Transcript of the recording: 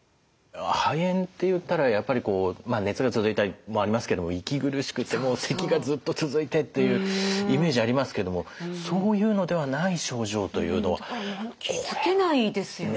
肺炎っていったらやっぱりこう熱が続いたりもありますけども息苦しくてもうせきがずっと続いてっていうイメージありますけれどもそういうのではない症状というのはこれは。気付けないですよね。